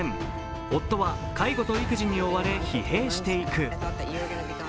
夫は介護と育児に追われ、疲弊していく。